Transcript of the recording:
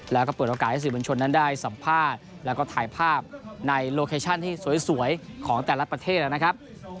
แล้วก็เปิดโอกาสให้สื่อบัญชนนั้นได้สัมภาษณ์แล้วก็ถ่ายภาพในโลเคชั่นที่สวยของแต่ละประเทศนะครับ